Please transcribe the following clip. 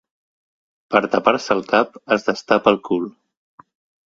Per tapar-se el cap es destapa el cul.